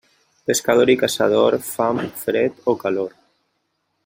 Pescador i caçador, fam, fred o calor.